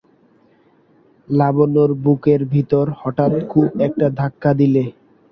লাবণ্যর বুকের ভিতরে হঠাৎ খুব একটা ধাক্কা দিলে।